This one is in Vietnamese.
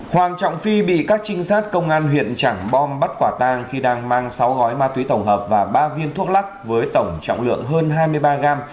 hoàng trọng phi bị các trinh sát công an huyện trảng bom bắt quả tang khi đang mang sáu gói ma túy tổng hợp và ba viên thuốc lắc với tổng trọng lượng hơn hai mươi ba gram